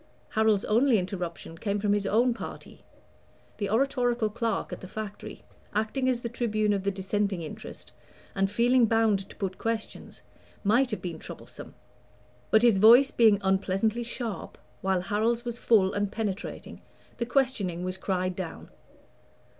Harold's only interruption came from his own party. The oratorical clerk at the Factory, acting as the tribune of the Dissenting interest, and feeling bound to put questions, might have been troublesome; but his voice being unpleasantly sharp, while Harold's was full and penetrating, the questioning was cried down.